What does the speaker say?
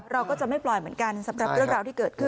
เราก็จะไม่ปล่อยเหมือนกันสำหรับเรื่องราวที่เกิดขึ้น